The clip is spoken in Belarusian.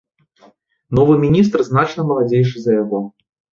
Новы міністр значна маладзейшы за яго.